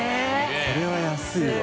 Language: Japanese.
これは安いわ。